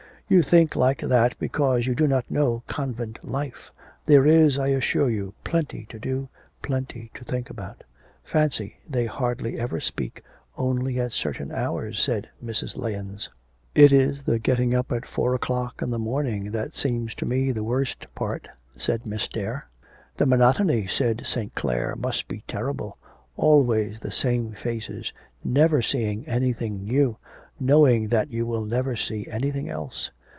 'You think like that because you do not know convent life. There is, I assure you, plenty to do, plenty to think about.' 'Fancy, they hardly ever speak, only at certain hours,' said Mrs. Lahens. 'It is the getting up at four o'clock in the morning that seems to me the worst part,' said Miss Dare. 'The monotony,' said St. Clare, 'must be terrible; always the same faces, never seeing anything new, knowing that you will never see anything else.'